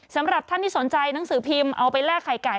สำหรับท่านที่สนใจหนังสือพิมพ์เอาไปแลกไข่ไก่